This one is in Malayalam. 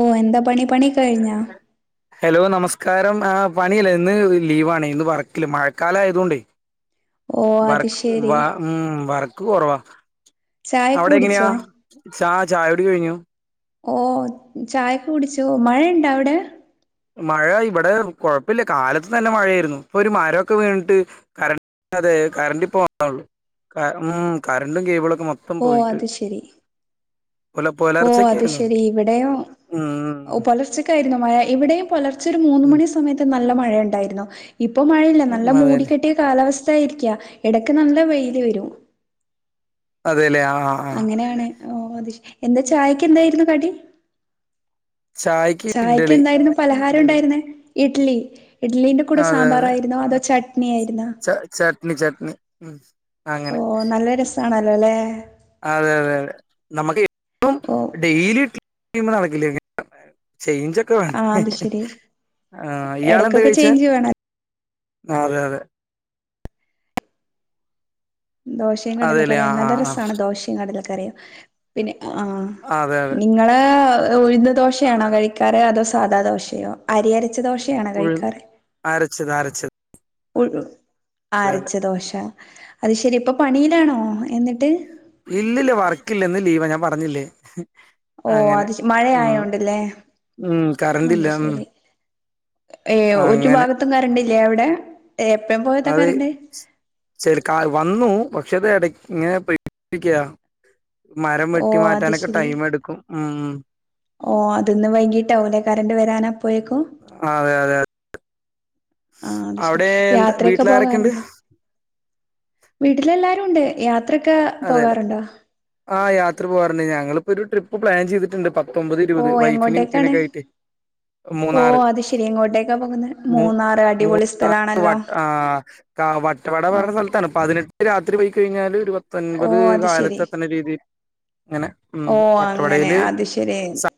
ഓ എന്താപണി പണികഴിഞ്ഞാ ഹലോ നമസ്കാരം ആഹ് പണിയില്ല ഇന്ന് ലീവാണ് ഇന്ന് വർക്കില്ല മഴക്കാലായതുകൊണ്ടേ [inaudible] അത് വർക്ക്‌ ഉം ശരി വ ഉം വർക്ക് കുറവാ. ചായൊക്കെ അവിടെ എങ്ങനെയാ? കുടിച്ചോ ചാ ചാ യുടി കഴിഞ്ഞു. ഓഹ് ചായക്ക് കുടിച്ചു. മഴയുണ്ടാ അവിടെ? മഴ ഇവിടെ കൊഴപ്പല്ല്യ കാലത്ത് തന്നെ മഴയായിരുന്നു. ഇപ്പൊ ഒരു മരൊക്കെ വീണിട്ട് കര [unintelligible] തെ കരണ്ട് ഇപ്പൊ വന്നൊള്ളൂ. ക ഉം കരണ്ടും കേബിളൊക്കെ മൊ ഓഹ് അത് ശെരി പുല ഓഹ് പുലർച്ചൊക്കെ അത് ആയിരുന്നു ശെരി ഇവിടെയും ഉം പൊലർച്ച ക്കായിരുന്നു മഴ. ഇവിടെയും പൊലർച്ച ഒരു മൂന്ന് ഉം മണി സമയത്ത് നല്ല മഴയുണ്ടായിരുന്നു. ഇപ്പൊ മഴയില്ല, നല്ല ഉം അതെല്ലേ മൂടിക്കെട്ടിയ കാലാവസ്ഥ ആയിരിക്കാ. എടക്ക് നല്ല വെയില് വരും. അതെലെ ആ ആഹ് അങ്ങനെയാണ് ഓ അത് ശ, എന്താ ചായക്ക് എന്തായിരുന്നു കടി? ചായി ചായ്ക്ക് എന്തായിരുന്നു പലഹാരം ഉണ്ടായിരുന്നെ ഇഡ്ലി ഇഡ്ലിന്റെ- കൂടെ അതെ അതെ സാമ്പാറായിരുന്നോ, അതോ ചട്നി ആയിരുന്നോ? ച ചട്നി ചട്നി, ഉം അങ്ങനെ ഓഹ് നല്ല രസാണല്ലോ ല്ലെ. അതെ അതെ അതെ നമുക്കി പ്പം ഓ ഡെയിലി ഇഡ്ലി ഒന്നും നടക്കില്ല. [unintelligible] ചെയിഞ്ചോ ആഹ് അത് ശെരി [unintelligible] ആഹ് ഇയാളെന്തെ എടക്കൊക്കെ കഴിച്ചെ? ചേഞ്ച് വേണം ആ അതെ അതെ ദോശേം അതെല്ലേ കടലക്കറീം ആഹ് നല്ല ആഹ് രസാണ് ദോശേം കടലക്കറിയും. പിന്നെ ആ ആഹ്, അതെ അതെ ങ്ങള് ഉഴ്ന്ന് ദോശയാണോ കഴിക്കാറ് അതോ സാധാ ദോശയോ? അരിയരച്ച ദോശ യാണോ ഉഴു കഴിക്കാറ്? അരച്ചത് അരച്ചത് ആഹ് അരച്ച ദോശ അത് ശരി. ഇപ്പൊ പണിയിലാണോ എന്നിട്ട്? ഇല്ലില്ല വർക്കില്ല ഇന്ന് ലീവാ ഞാൻ പറഞ്ഞില്ലേ. ഓഹ് അങ്ങനെ അത് ശ് ഉം മഴയായോണ്ട്ല്ലേ, ഉം അത് കറണ്ടില്ല ഉം ശരി. ഏഹ് ഒരു അങ്ങനെ ഭാഗത്തും കരണ്ടില്ലേ അവിടെ? ഏ എപ്പഴും പൊ അത് സെ സെഡ് കാൽ വന്നു പക്ഷേ അത് എട ഇങ്ങനെ പെട്പ്പിക്യാ. മരം ഓ വെട്ടി അത് മാറ്റാനൊക്കെ ടൈം എടുക്കും. ഉം ഓഹ്, അത്ന്ന് വൈകീട്ടാവുല്ലെ കരണ്ട് വരാനാ അപ്പൊയേക്കും ആഹ് അതെ അതെ അ ആഹ് അത് ശരി എന്താ യാത്ര ഒക്കെ വീട്ടിലാരൊക്കെണ്ട് പോകാറുണ്ടോ? വീട്ടിലെല്ലാരും ഉണ്ട്. യാത്രൊക്കെ അതെല്ലേ പോകാറുണ്ടോ ആഹ് യാത്ര പോകാറുണ്ട് ഞങ്ങളിപ്പോ ഒരു ട്രിപ്പ് പ്ലാൻ ചെയ്തിട്ടുണ്ട്. പ- തൊമ്പത് ഓ ഇരുപത് വൈഫിനീം എങ്ങോട്ടേക്കാണ് കുട്ടീനൊക്കെ ആയിട്ട്. ഓ മൂന്നാറ് അത് ശെരി എങ്ങോട്ടേക്കാ പോകുന്നെ മൂ മൂന്നാറ് മൂ അടിപൊളി ന്നാ റ് സ്ഥലാണല്ലോ വട്ട് ആ കാ വട്ടവട ഓ പറയണ സ്ഥലത്താണ്. പതിനെട്ട് രാത്രി പോയിക്കഴിഞ്ഞാല് ഒരു പ ഓ ത്തൊൻപത് അത് ശെരി കാലത്തെത്തണ രീതില്. ഇങ്ങനെ ഉം. ഓ അങ്ങനെ വട്ടവടീല് [unintelligible]